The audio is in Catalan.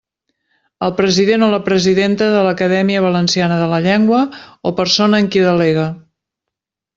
El president o la presidenta de l'Acadèmia Valenciana de la Llengua o persona en qui delegue.